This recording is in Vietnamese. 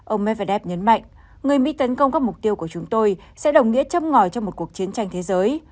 ông medvedev nhấn mạnh người mỹ tấn công các mục tiêu của chúng tôi sẽ đồng nghĩa châm ngòi cho một cuộc chiến tranh thế giới